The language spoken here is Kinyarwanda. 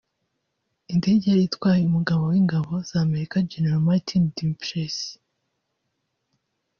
indege yari itwaye Umugaba w’Ingabo z’Amerika General Martin Dempsey